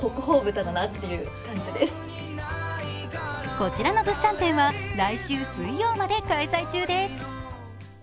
こちらの物産展は来週水曜まで開催中です。